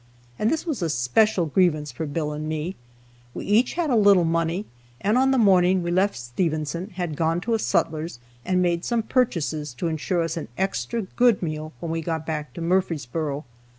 And this was a special grievance for Bill and me. We each had a little money, and on the morning we left Stevenson had gone to a sutler's, and made some purchases to insure us an extra good meal when we got back to Murfreesboro.